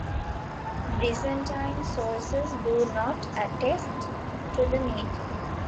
Byzantine sources do not attest to the meeting.